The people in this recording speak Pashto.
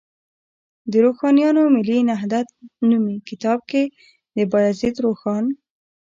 د روښانیانو ملي نهضت نومي کتاب کې، د بایزید روښان